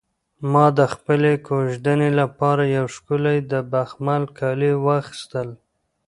ما د خپلې کوژدنې لپاره یو ښکلی د بخمل کالي واخیستل.